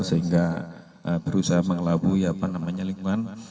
sehingga berusaha mengelabuh lingkungan